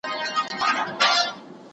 د سیاسي پایلو ارزونه اړینه ده.